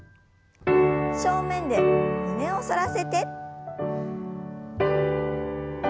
正面で胸を反らせて。